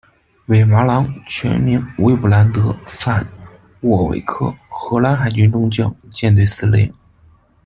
韦麻郎，全名威布兰德·范·沃韦克，荷兰海军中将，舰队司令。